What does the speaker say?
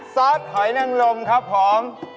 ซอสหอยนังลมครับผม